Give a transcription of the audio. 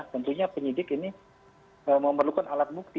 tentunya penyidik ini memerlukan alat bukti